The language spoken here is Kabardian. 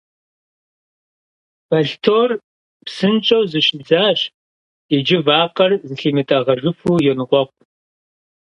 Бэлътор псынщӀэу зыщидзащ, иджы вакъэр зылъимытӀэгъэжыфу йоныкъуэкъу.